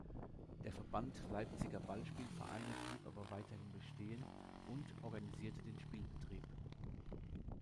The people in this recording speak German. Der Verband Leipziger Ballspiel-Vereine blieb aber weiterhin bestehen und organisierte den Spielbetrieb.